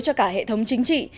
cho cả hệ thống chính trị